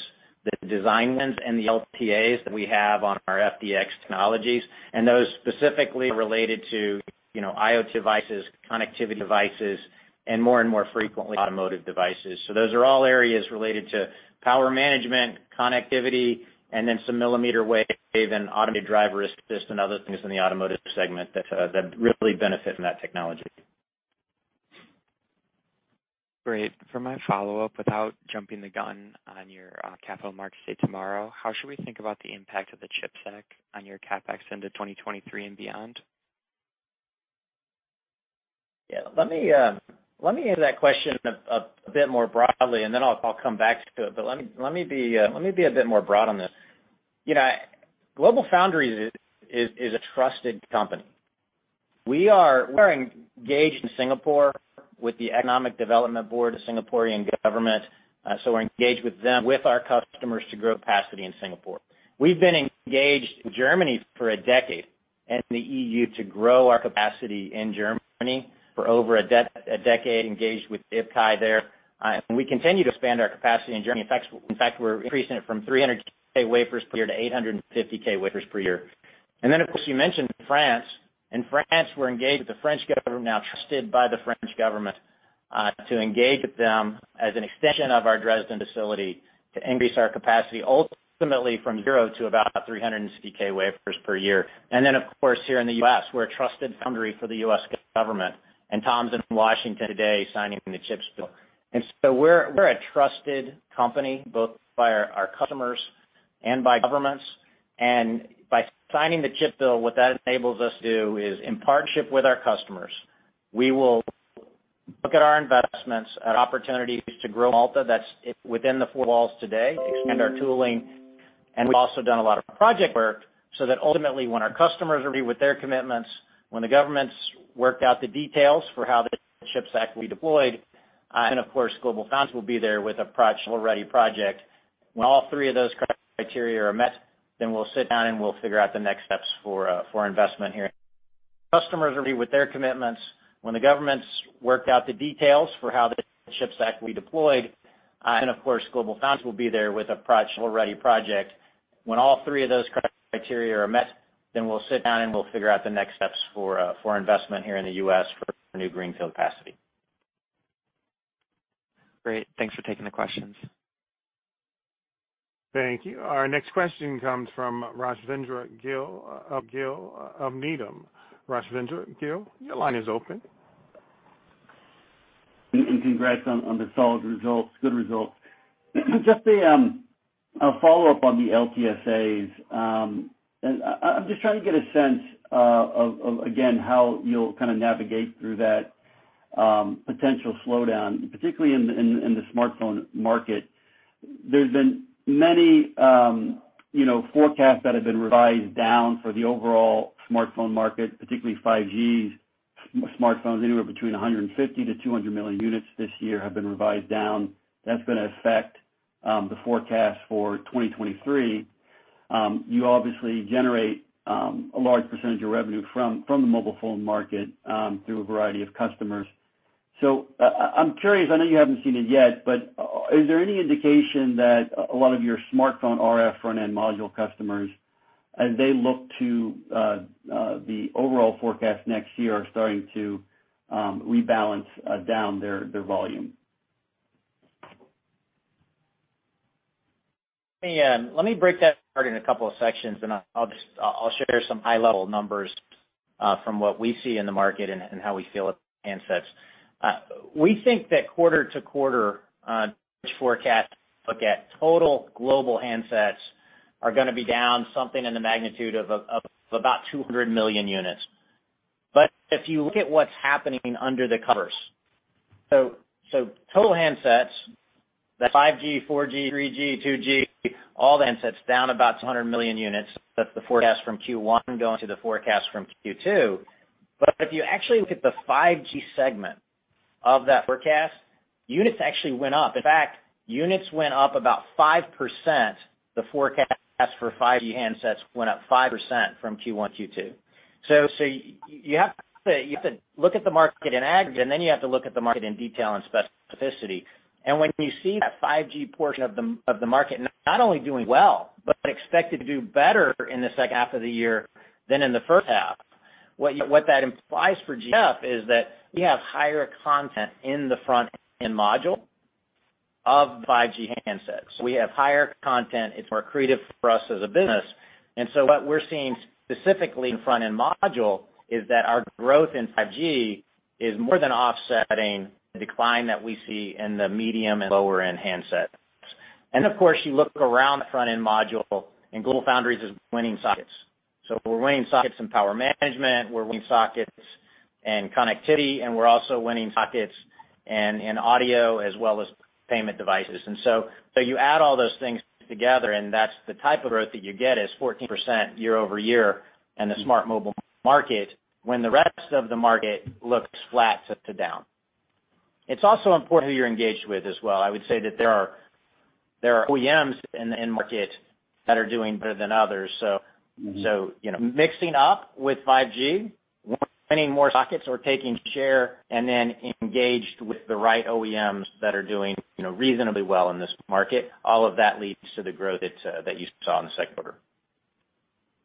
the design wins and the LTAs that we have on our FDX technologies, and those specifically related to, you know, IoT devices, connectivity devices, and more and more frequently, automotive devices. Those are all areas related to power management, connectivity, and then some millimeter wave and automated driver assist and other things in the automotive segment that that really benefit from that technology. Great. For my follow-up, without jumping the gun on your Capital Markets Day tomorrow, how should we think about the impact of the CHIPS Act on your CapEx into 2023 and beyond? Yeah. Let me answer that question a bit more broadly, and then I'll come back to it. Let me be a bit more broad on this. You know, GlobalFoundries is a trusted company. We're engaged in Singapore with the Economic Development Board, the Singaporean government, so we're engaged with them with our customers to grow capacity in Singapore. We've been engaged in Germany for a decade and the EU to grow our capacity in Germany for over a decade, engaged with IPCEI there. We continue to expand our capacity in Germany. In fact, we're increasing it from 300K wafers per year to 850K wafers per year. Then, of course, you mentioned France. In France, we're engaged with the French government, now trusted by the French government, to engage with them as an extension of our Dresden facility to increase our capacity, ultimately from 0 to about 360,000 wafers per year. Of course, here in the U.S., we're a trusted foundry for the U.S. government, and Tom's in Washington today signing the CHIPS Act. We're a trusted company both by our customers and by governments. By signing the CHIPS Act, what that enables us to do is in partnership with our customers, we will look at our investments and opportunities to grow Malta that's within the four walls today, expand our tooling. We've also done a lot of project work so that ultimately, when our customers agree with their commitments, when the governments work out the details for how the CHIPS Act will be deployed, and of course, GlobalFoundries will be there with a project-ready project. When all three of those criteria are met, then we'll sit down, and we'll figure out the next steps for investment here. Customers agree with their commitments. When the governments work out the details for how the CHIPS Act will be deployed, and of course, GlobalFoundries with a project-ready project. When all three of those criteria are met, then we'll sit down, and we'll figure out the next steps for investment here in the U.S. for new greenfield capacity. Great. Thanks for taking the questions. Thank you. Our next question comes from Rajvindra Gill of Needham. Rajvindra Gill, your line is open. Congrats on the solid results, good results. Just a follow-up on the LTAs. I'm just trying to get a sense of again, how you'll kind of navigate through that potential slowdown, particularly in the smartphone market. There's been many, you know, forecasts that have been revised down for the overall smartphone market, particularly 5G smartphones, anywhere between 150 million-200 million units this year have been revised down. That's gonna affect the forecast for 2023. You obviously generate a large percentage of revenue from the mobile phone market through a variety of customers. I'm curious, I know you haven't seen it yet, but is there any indication that a lot of your smartphone RF front-end module customers, as they look to the overall forecast next year, are starting to rebalance down their volume? Let me break that apart in a couple of sections, and I'll share some high-level numbers from what we see in the market and how we feel with handsets. We think that quarter-over-quarter forecast look at total global handsets are gonna be down something in the magnitude of about 200 million units. If you look at what's happening under the covers, so total handsets, that's 5G, 4G, 3G, 2G, all the handsets down about 200 million units. That's the forecast from Q1 going to the forecast from Q2. If you actually look at the 5G segment of that forecast, units actually went up. In fact, units went up about 5%. The forecast for 5G handsets went up 5% from Q1 to Q2. You have to look at the market in aggregate, and then you have to look at the market in detail and specificity. When you see that 5G portion of the market not only doing well but expected to do better in the H2 of the year than in the H1, what that implies for GF is that we have higher content in the front-end module of 5G handsets. We have higher content. It's more accretive for us as a business. What we're seeing specifically in front-end module is that our growth in 5G is more than offsetting the decline that we see in the medium and lower-end handsets. Of course, you look around the front-end module, and GlobalFoundries is winning sockets. We're winning sockets in power management, we're winning sockets in connectivity, and we're also winning sockets in audio as well as payment devices. You add all those things together, and that's the type of growth that you get is 14% year-over-year in the smart mobile market when the rest of the market looks flat to down. It's also important who you're engaged with as well. I would say that there are OEMs in the end market that are doing better than others. You know, ramping up with 5G, winning more sockets or taking share, and then engaged with the right OEMs that are doing, you know, reasonably well in this market, all of that leads to the growth that you saw in the Q2.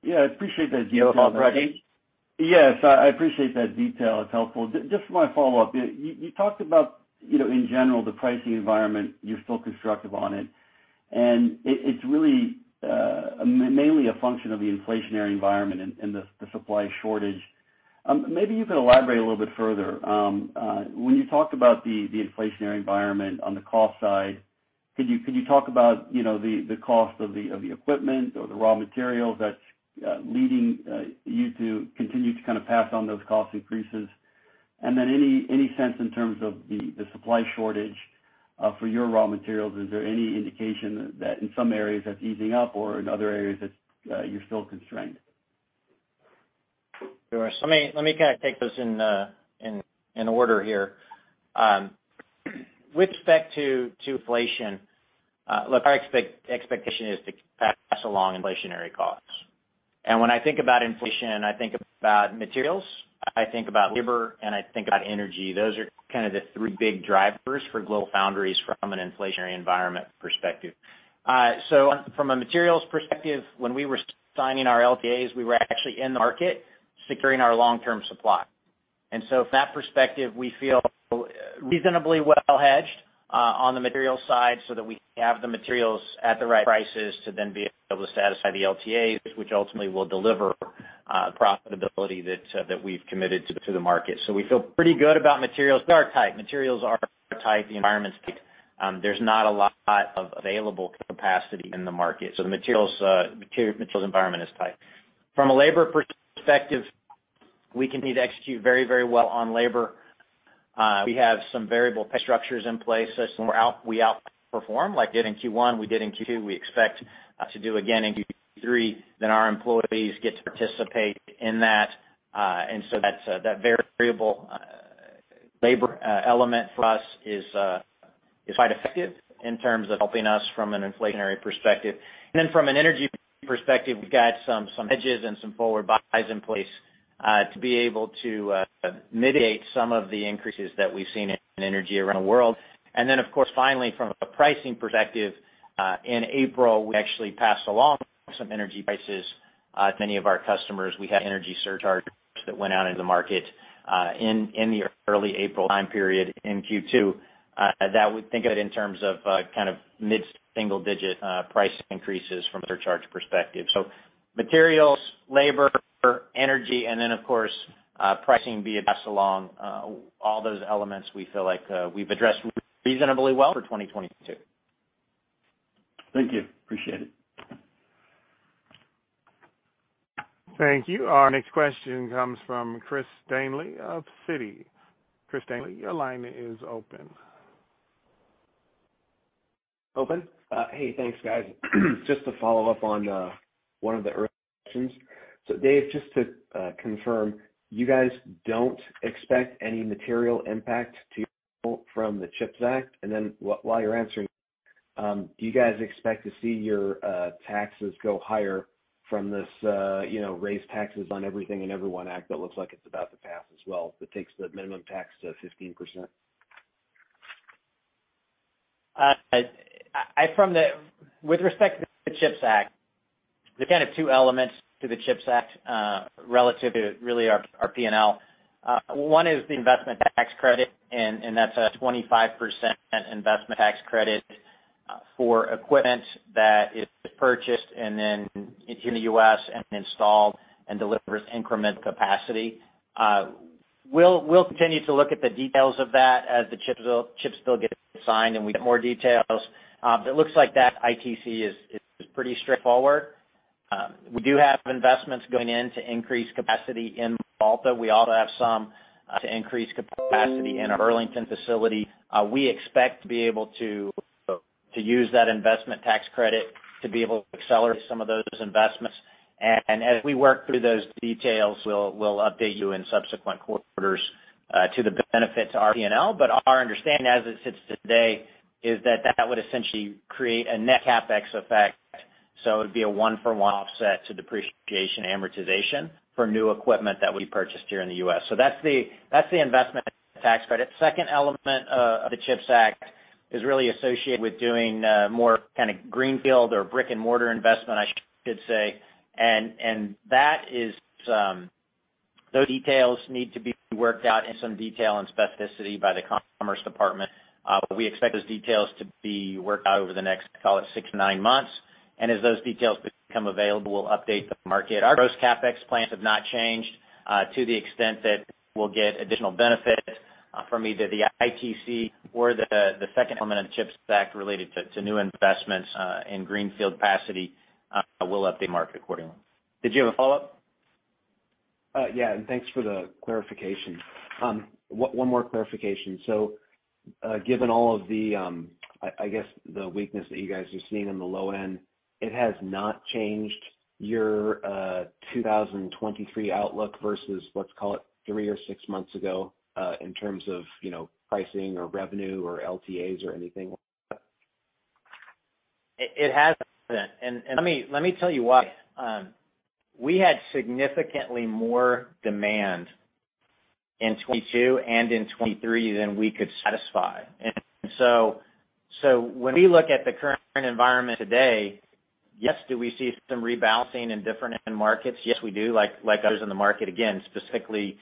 Yeah, I appreciate that detail. You want to follow up, Reggie? Yes, I appreciate that detail. It's helpful. Just my follow-up. You talked about, you know, in general, the pricing environment. You're still constructive on it. It's really mainly a function of the inflationary environment and the supply shortage. Maybe you can elaborate a little bit further. When you talk about the inflationary environment on the cost side, could you talk about, you know, the cost of the equipment or the raw materials that's leading you to continue to kind of pass on those cost increases? Then any sense in terms of the supply shortage for your raw materials, is there any indication that in some areas that's easing up or in other areas that you're still constrained? Sure. Let me kind of take those in in order here. With respect to inflation, look, our expectation is to pass along inflationary costs. When I think about inflation, I think about materials, I think about labor, and I think about energy. Those are kind of the three big drivers for GlobalFoundries from an inflationary environment perspective. From a materials perspective, when we were signing our LTAs, we were actually in the market securing our long-term supply. From that perspective, we feel reasonably well hedged on the material side so that we have the materials at the right prices to then be able to satisfy the LTAs, which ultimately will deliver profitability that we've committed to the market. We feel pretty good about materials. They are tight. Materials are tight, the environment's tight. There's not a lot of available capacity in the market, so the materials environment is tight. From a labor perspective, we continue to execute very well on labor. We have some variable pay structures in place so we outperform, like did in Q1, we did in Q2, we expect to do again in Q3, then our employees get to participate in that. That's that variable labor element for us is quite effective in terms of helping us from an inflationary perspective. Then from an energy perspective, we've got some hedges and some forward buys in place to be able to mitigate some of the increases that we've seen in energy around the world. Of course, finally, from a pricing perspective, in April, we actually passed along some energy prices. To many of our customers, we had energy surcharges that went out into the market, in the early April time period in Q2, that we think of it in terms of, kind of mid-single digit, price increases from a surcharge perspective. Materials, labor, energy, and then of course, pricing being passed along, all those elements we feel like, we've addressed reasonably well for 2022. Thank you. Appreciate it. Thank you. Our next question comes from Christopher Danely of Citi. Christopher Danely, your line is open. Hey, thanks guys. Just to follow up on one of the early questions. Dave, just to confirm, you guys don't expect any material impact to your people from the CHIPS Act? Then while you're answering, do you guys expect to see your taxes go higher from this, you know, raise taxes on everything and everyone act that looks like it's about to pass as well, that takes the minimum tax to 15%? With respect to the CHIPS Act, there are kind of two elements to the CHIPS Act, relative to really our P&L. One is the investment tax credit, and that's a 25% investment tax credit, for equipment that is purchased and then in the U.S. and installed and delivers incremental capacity. We'll continue to look at the details of that as the CHIPS bill gets signed, and we get more details. It looks like that ITC is pretty straightforward. We do have investments going in to increase capacity in Malta. We also have some to increase capacity in our Burlington facility. We expect to be able to use that investment tax credit to be able to accelerate some of those investments. As we work through those details, we'll update you in subsequent quarters to the benefit to our P&L. Our understanding as it sits today is that that would essentially create a net CapEx effect, so it would be a one-for-one offset to depreciation and amortization for new equipment that we purchased here in the U.S. That's the investment tax credit. Second element of the CHIPS Act is really associated with doing more kind of greenfield or brick-and-mortar investment, I should say. That is, those details need to be worked out in some detail and specificity by the Commerce Department. We expect those details to be worked out over the next, call it, 6 months-9 months. As those details become available, we'll update the market. Our gross CapEx plans have not changed. To the extent that we'll get additional benefit from either the ITC or the second element of the CHIPS Act related to new investments in greenfield capacity, we'll update the market accordingly. Did you have a follow-up? Yeah, thanks for the clarification. One more clarification. Given all of the, I guess, the weakness that you guys are seeing on the low end, it has not changed your 2023 outlook versus, let's call it 3 months or 6 months ago, in terms of, you know, pricing or revenue or LTAs or anything like that? It hasn't. Let me tell you why. We had significantly more demand in 2022 and in 2023 than we could satisfy. When we look at the current environment today, yes, do we see some rebalancing in different end markets? Yes, we do. Like others in the market, again, specifically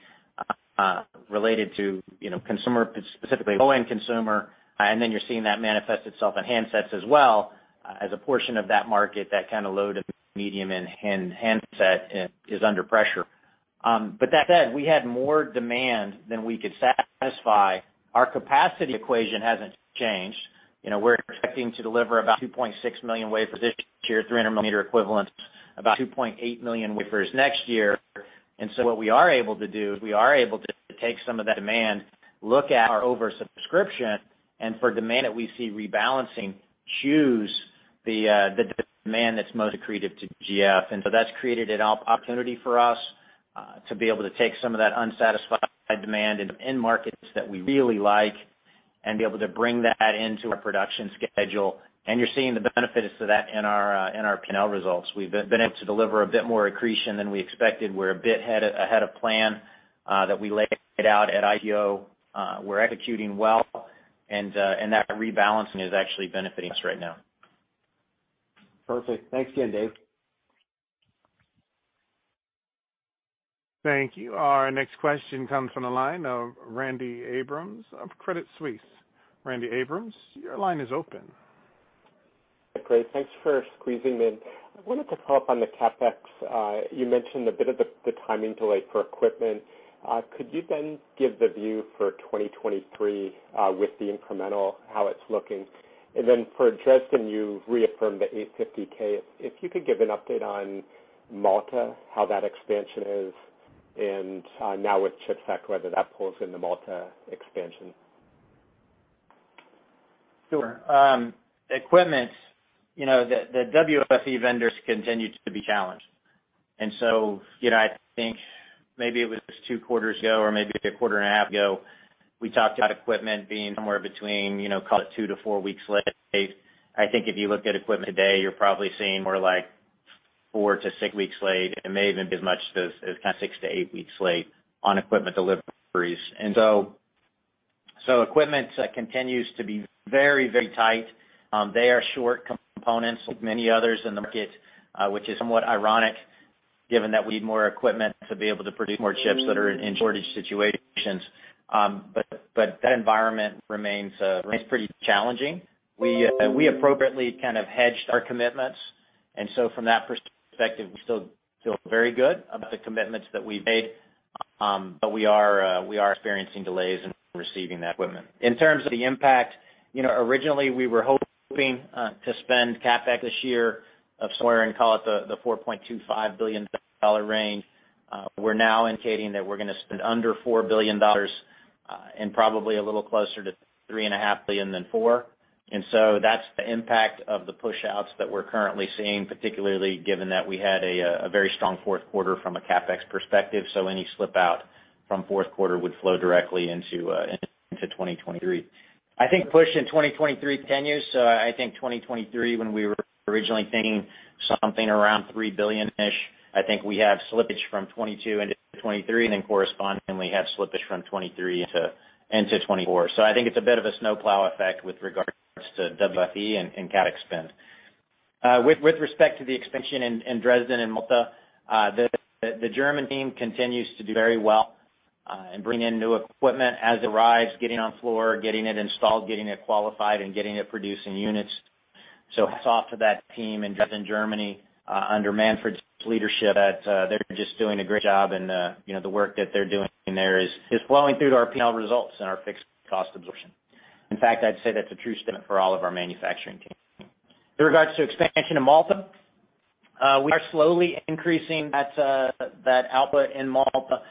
related to, you know, consumer, specifically low-end consumer, and then you're seeing that manifest itself in handsets as well as a portion of that market, that kind of low to medium in handset is under pressure. That said, we had more demand than we could satisfy. Our capacity equation hasn't changed. You know, we're expecting to deliver about 2.6 million wafers this year, 300 mm equivalent, about 2.8 million wafers next year. What we are able to do is we are able to take some of that demand, look at our oversubscription, and for demand that we see rebalancing, choose the demand that's most accretive to GF. That's created an opportunity for us to be able to take some of that unsatisfied demand in markets that we really like and be able to bring that into our production schedule. You're seeing the benefits to that in our P&L results. We've been able to deliver a bit more accretion than we expected. We're a bit ahead of plan that we laid out at IPO. We're executing well, and that rebalancing is actually benefiting us right now. Perfect. Thanks again, Dave. Thank you. Our next question comes from the line of Randy Abrams of Credit Suisse. Randy Abrams, your line is open. Great. Thanks for squeezing me in. I wanted to follow up on the CapEx. You mentioned a bit of the timing delay for equipment. Could you then give the view for 2023 with the incremental, how it's looking? For Dresden, you reaffirmed the $850,000. If you could give an update on Malta, how that expansion is, and now with CHIPS Act, whether that pulls in the Malta expansion. Sure. Equipment, you know, the WFE vendors continue to be challenged. You know, I think maybe it was two quarters ago or maybe a quarter and a half ago, we talked about equipment being somewhere between, you know, call it 2 weeks-4 weeks late. I think if you look at equipment today, you're probably seeing more like 4 weeks-6 weeks late. It may even be as much as kind of 6 weeks-8 weeks late on equipment deliveries. Equipment continues to be very, very tight. They are short components like many others in the market, which is somewhat ironic given that we need more equipment to be able to produce more chips that are in shortage situations. That environment remains pretty challenging. We appropriately kind of hedged our commitments. From that perspective, we still feel very good about the commitments that we've made. We are experiencing delays in receiving that equipment. In terms of the impact, you know, originally we were hoping to spend CapEx this year of somewhere in, call it the $4.25 billion range. We're now indicating that we're gonna spend under $4 billion, and probably a little closer to $3.5 billion than $4 billion. That's the impact of the pushouts that we're currently seeing, particularly given that we had a very strong Q4 from a CapEx perspective. Any slip out from Q4 would flow directly into 2023. I think the push in 2023 continues. I think 2023, when we were originally thinking something around $3 billion-ish, I think we have slippage from 2022 into 2023, and then correspondingly, we have slippage from 2023 into 2024. I think it's a bit of a snowplow effect with regards to WFE and CapEx spend. With respect to the expansion in Dresden and Malta, the German team continues to do very well in bringing in new equipment as it arrives, getting it on floor, getting it installed, getting it qualified, and getting it producing units. Hats off to that team in Dresden, Germany, under Manfred's leadership that they're just doing a great job and, you know, the work that they're doing there is flowing through to our P&L results and our fixed cost absorption. In fact, I'd say that's a true statement for all of our manufacturing teams. In regard to expansion in Malta, we are slowly increasing that output in Malta.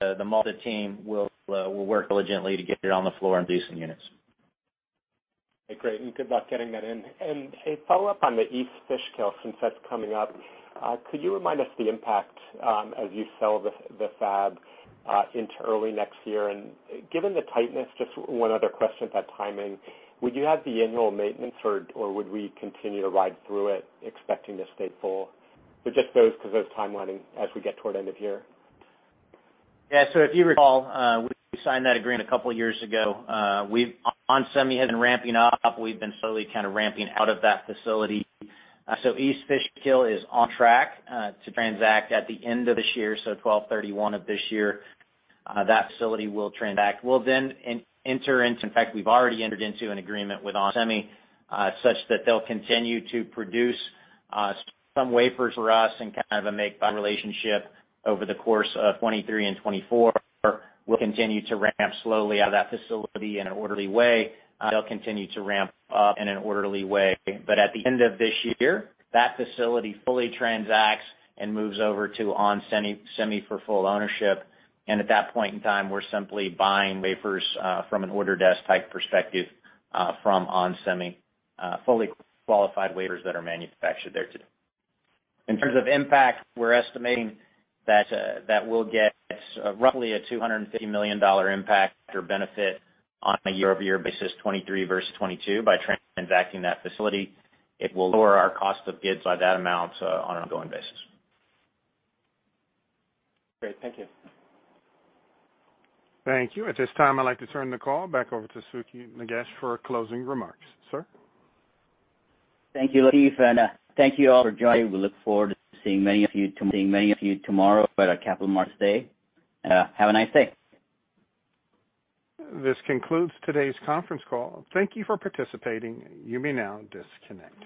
The Malta team will work diligently to get it on the floor and producing units. Great, good luck getting that in. A follow-up on the East Fishkill, since that's coming up. Could you remind us the impact, as you sell the fab, into early next year? Given the tightness, just one other question about timing. Would you have the annual maintenance or would we continue to ride through it expecting to stay full? Just those, 'cause those timelining as we get toward end of year. Yeah. If you recall, we signed that agreement a couple years ago. onsemi has been ramping up. We've been slowly kind of ramping out of that facility. East Fishkill is on track to transact at the end of this year, so December 31, of this year. That facility will transact. We'll then enter into, in fact, we've already entered into an agreement with onsemi, such that they'll continue to produce some wafers for us in kind of a make-buy relationship over the course of 2023 and 2024. We'll continue to ramp slowly out of that facility in an orderly way. They'll continue to ramp up in an orderly way. But at the end of this year, that facility fully transacts and moves over to onsemi for full ownership. At that point in time, we're simply buying wafers from an order desk type perspective from onsemi, fully qualified wafers that are manufactured there today. In terms of impact, we're estimating that we'll get roughly a $250 million impact or benefit on a year-over-year basis, 2023 versus 2022. By transacting that facility, it will lower our cost of goods by that amount on an ongoing basis. Great. Thank you. Thank you. At this time, I'd like to turn the call back over to Sukhi Nagesh for closing remarks. Sir? Thank you, Latif, and thank you all for joining. We look forward to seeing many of you tomorrow at our Capital Markets Day. Have a nice day. This concludes today's conference call. Thank you for participating. You may now disconnect.